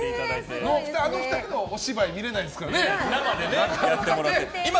あの２人の小芝居見れないですからね。